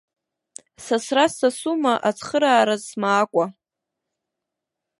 Сасра ссасума, ацхыраараз смаакәа.